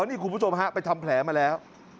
นี่คุณผู้ชมฮะไปทำแผลมาแล้ว